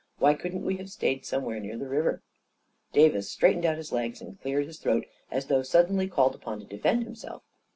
" Why couldn't we have stayed somewhere near the river?" Davis straightened out his legs and cleared his throat, as though suddenly called upon to defend himself.